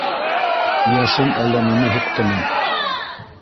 Йәшен әллә мине һуҡтымы?